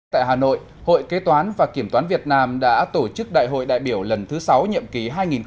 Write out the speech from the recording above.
tại hà nội hội kế toán và kiểm toán việt nam đã tổ chức đại hội đại biểu lần thứ sáu nhiệm ký hai nghìn hai mươi hai nghìn hai mươi bốn